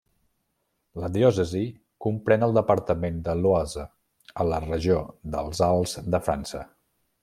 La diòcesi comprèn el departament de l'Oise, a la regió dels Alts de França.